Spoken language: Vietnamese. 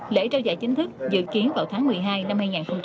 lễ trao giải chính thức dự kiến vào tháng một mươi hai năm hai nghìn một mươi chín